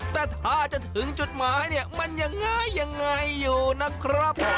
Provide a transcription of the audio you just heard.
แต่ถ้าจะถึงจุดหมายเนี่ยมันยังไงยังไงอยู่นะครับ